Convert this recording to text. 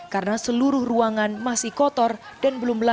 karena seluruh ruangan masih kotor dan belum berhasil